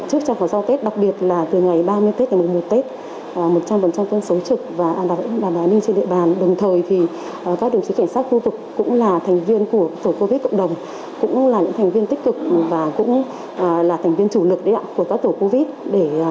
trước trong và sau tết đặc biệt là từ ngày ba mươi tết ngày một tết một trăm linh quân số trực và đảm bảo an ninh trên địa bàn đồng thời thì các đồng chí cảnh sát khu vực cũng là thành viên của tổ covid cộng đồng cũng là những thành viên tích cực và cũng là thành viên chủ lực đấy ạ của các tổ covid